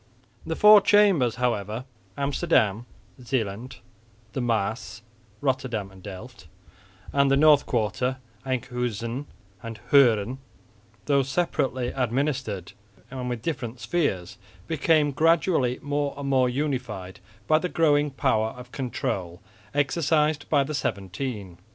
The four chambers however Amsterdam, Zeeland, the Maas (Rotterdam and Delft) and the North Quarter (Enkhuizen and Hoorn) though separately administered and with different spheres, became gradually more and more unified by the growing power of control exercised by the Seventeen.